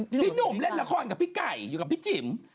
พี่หนุ่มเล่นละครกับพี่ไก่อยู่กับพี่จิ๋ม